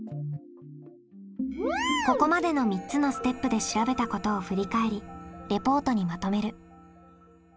ここまでの３つのステップで調べたことを振り返りレポートにまとめる。